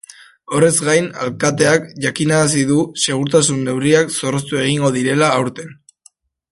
Horrez gain, alkateak jakinarazi du segurtasun neurriak zorroztu egingo direla aurten.